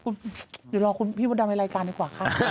เดี๋ยวรอพี่มดรมาให้รายการดีกว่าค่ะ